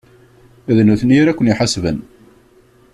D nutni ara ken-iḥasben.